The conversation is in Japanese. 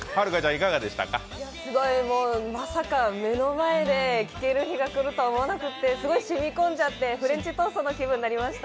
まさか目の前で聴けるとは思わなくてすごいしみ込んじゃってフレンチトーストの気分になりました。